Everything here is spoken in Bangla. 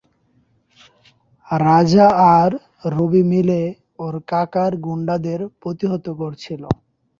রাজা আর রবি মিলে ওর কাকার গুন্ডাদের প্রতিহত করছিল।